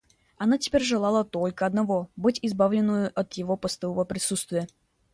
Она теперь желала только одного — быть избавленною от его постылого присутствия.